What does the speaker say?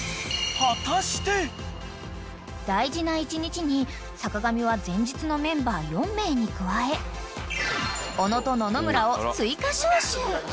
［大事な１日に坂上は前日のメンバー４名に加え小野と野々村を］